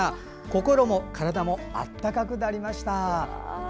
心も体も温かくなりました。